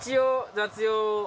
雑用。